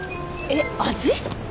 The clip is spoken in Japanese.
えっ味？